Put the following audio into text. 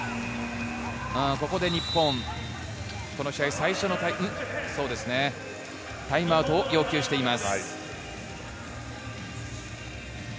ここで日本、この試合最初のそうですね、タイムアウトを要求しています。